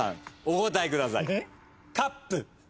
お答えください。